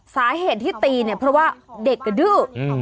สาเหตุที่ตีเนี่ยเพราะว่าเด็กกระดื้อ